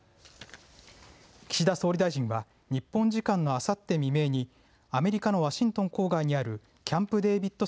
岸田総理大臣は日本時間のあさって未明にアメリカのワシントン郊外にあるキャンプ・デービッド